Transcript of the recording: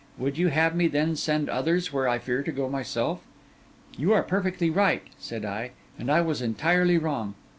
Would you have me, then, send others where I fear to go myself?' 'You are perfectly right,' said I, 'and I was entirely wrong.